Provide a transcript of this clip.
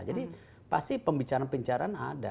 jadi pasti pembicaraan bicaraan ada